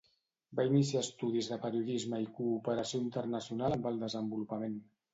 Va iniciar estudis de periodisme i Cooperació Internacional amb el Desenvolupament.